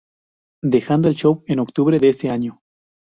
Dejando el show en octubre de ese año.